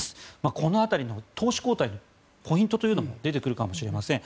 この辺りの投手交代のポイントというのも出てくるかもしれません。